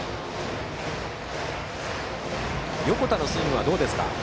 横田のスイングはどうですか？